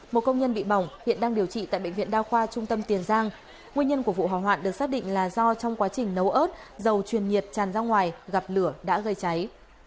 một công nhân bị bỏng hiện đang điều trị tại bệnh viện đa khoa trung tâm tiền giang nguyên nhân của vụ hỏa hoạn được xác định là do trong quá trình nấu ớt dầu truyền nhiệt tràn ra ngoài gặp lửa đã gây cháy